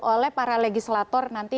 oleh para legislator nanti